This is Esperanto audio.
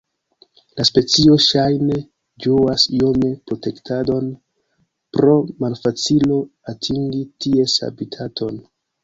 La specio ŝajne ĝuas iome protektadon pro malfacilo atingi ties habitaton.